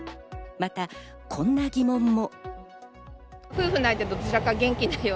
また、こんな疑問も。